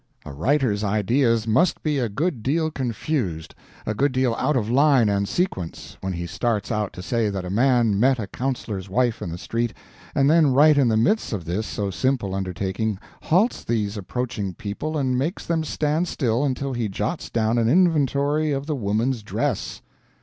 A writer's ideas must be a good deal confused, a good deal out of line and sequence, when he starts out to say that a man met a counselor's wife in the street, and then right in the midst of this so simple undertaking halts these approaching people and makes them stand still until he jots down an inventory of the woman's dress.